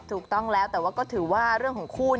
ถูกต้องแล้วแต่ว่าก็ถือว่าเรื่องของคู่